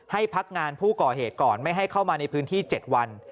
ให้พักงานผู้ก่อเหตุก่อนไม่ให้เข้ามาในพื้นที่๗วัน